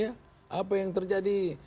ya apa yang terjadi